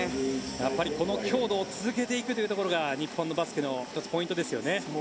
やっぱりこの強度を続けていくところが日本のバスケの１つ、ポイントですよね。